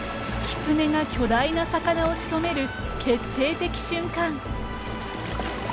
キツネが巨大な魚をしとめる決定的瞬間！